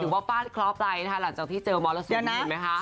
อยู่บ้านบ้านครอบใดนะคะหลังจากที่เจอมอเตอร์ศูนย์เห็นไหมคะ